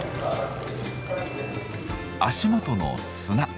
足元の砂。